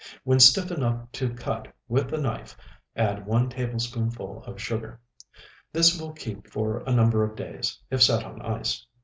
When stiff enough to cut with a knife, add one tablespoonful of sugar. This will keep for a number of days, if set on ice.